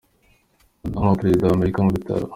Madamu wa perezida w’amerika mu bitaro